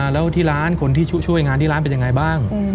แล้วที่ร้านคนที่ช่วยงานที่ร้านเป็นยังไงบ้าง